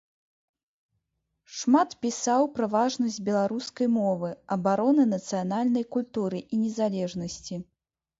Шмат пісаў пра важнасць беларускай мовы, абароны нацыянальнай культуры і незалежнасці.